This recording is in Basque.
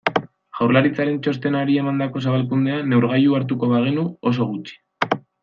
Jaurlaritzaren txostenari emandako zabalkundea neurgailu hartuko bagenu, oso gutxi.